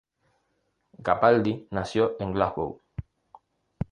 Capaldi nació en Glasgow.